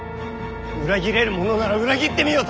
裏切れるものなら裏切ってみよと！